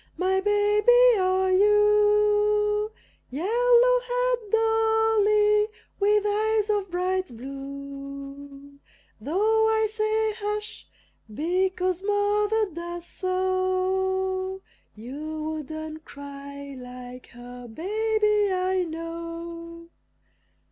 My baby are you, Yellow haired Dolly, with eyes of bright blue; Though I say "Hush!" because Mother does so, You wouldn't cry like her baby, I know!